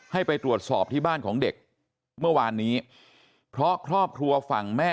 ให้ไปตรวจสอบที่บ้านของเด็กเมื่อวานนี้เพราะครอบครัวฝั่งแม่